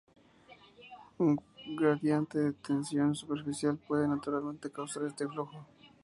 Un gradiente de tensión superficial puede naturalmente causar este flujo.